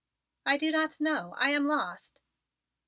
"I do not know. I am lost."